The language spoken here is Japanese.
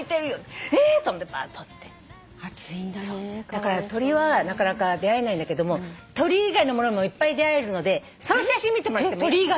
だから鳥はなかなか出合えないんだけども鳥以外のものもいっぱい出会えるのでその写真見てもらってもいい？鳥以外？